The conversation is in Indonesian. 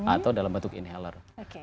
atau dalam bentuk inhaler